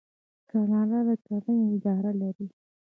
کاناډا د کرنې اداره لري.